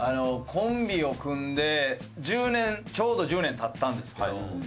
コンビを組んで１０年ちょうど１０年経ったんですけど。